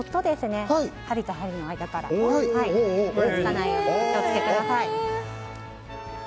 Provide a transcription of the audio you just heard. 針と針の間からくっつかないようにお気を付けください。